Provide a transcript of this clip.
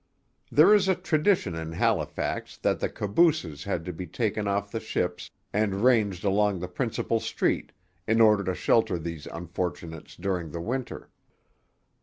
There is a tradition in Halifax that the cabooses had to be taken off the ships, and ranged along the principal street, in order to shelter these unfortunates during the winter.